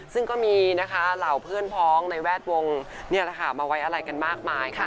ซึ่งก็มีนะคะเหล่าเพื่อนพ้องในแวดวงมาไว้อะไรกันมากมายค่ะ